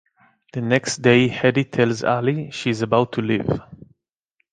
The next day Hedy tells Allie she is about to leave.